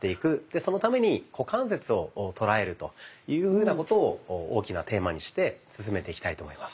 そのために股関節を捉えるというふうなことを大きなテーマにして進めていきたいと思います。